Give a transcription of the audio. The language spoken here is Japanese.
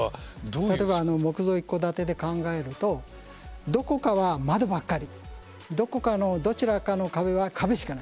例えば木造一戸建てで考えるとどこかは窓ばっかりどこかのどちらかの壁は壁しかない。